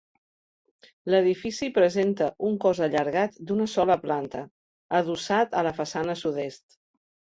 L'edifici presenta un cos allargat d'una sola planta, adossat a la façana sud-est.